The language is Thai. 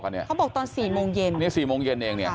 เขาบอกตอน๔โมงเย็นนี่๔โมงเย็นเองเนี่ย